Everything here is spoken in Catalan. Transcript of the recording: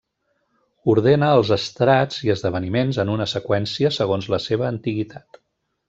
Ordena els estrats i esdeveniments en una seqüència segons la seva antiguitat.